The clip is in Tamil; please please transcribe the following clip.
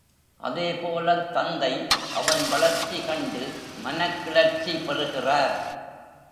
அதே போலத் தந்தை அவன் வளர்ச்சி கண்டு மனக்கிளர்ச்சி பெறுகிறார்.